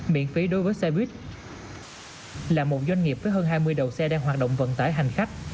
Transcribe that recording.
miễn phí đối với xe buýt là một doanh nghiệp với hơn hai mươi đầu xe đang hoạt động vận tải hành khách